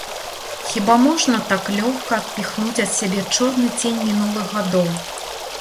Хіба можна так лёгка адпіхнуць ад сябе чорны цень мінулых гадоў?